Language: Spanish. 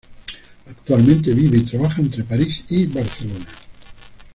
Actualmente vive y trabaja entre París y Barcelona.